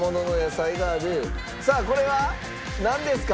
さあこれはなんですか？